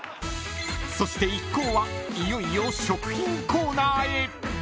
［そして一行はいよいよ食品コーナーへ］